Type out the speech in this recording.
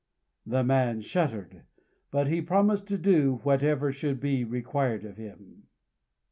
The man shuddered; but he promised to do whatever should be required of him.